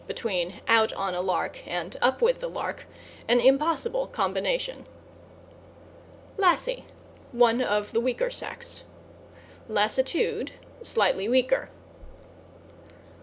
bet. "out on a lark," and "up with the lark," an impossible combination). =LASSIE= One of the weaker sex. =LASSITUDE= Slightly weaker.